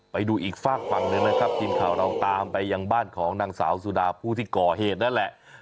ไปดูอีกฝากฝั่งหนึ่งนะครับทีมข่าวเราตามไปยังบ้านของนางสาวสุดาผู้ที่ก่อเหตุนั่นแหละ